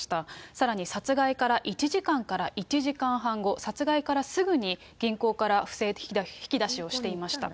さらに殺害から１時間から１時間半後、殺害からすぐに銀行から不正引き出しをしていました。